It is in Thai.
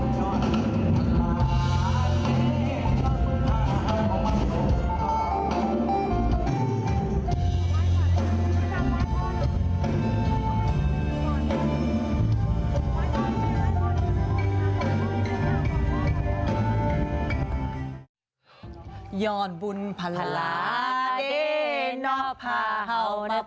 จริงค่ะไปชมภาพกันหน่อยค่ะ